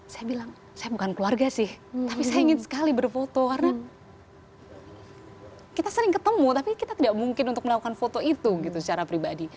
saya bilang saya bukan keluarga sih tapi saya ingin sekali berfoto karena kita sering ketemu tapi kita tidak mungkin untuk melakukan foto itu gitu secara pribadi